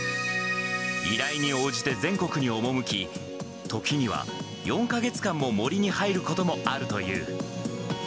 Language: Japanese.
依頼に応じて全国に赴き、時には４か月間も森に入ることもあるという。